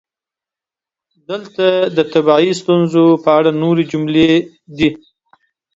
دلته د طبیعي ستونزو په اړه نورې جملې دي: